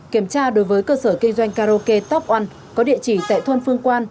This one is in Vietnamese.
kiểm tra đối với cơ sở kinh doanh karaoke top oan có địa chỉ tại thôn phương quan